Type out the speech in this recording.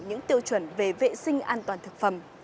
những tiêu chuẩn về vệ sinh an toàn thực phẩm